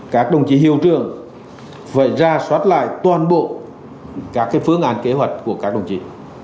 các đồng chí hiệu trường phải ra soát lại toàn bộ các phương án kế hoạch của các đồng chí